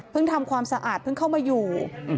ทำความสะอาดเพิ่งเข้ามาอยู่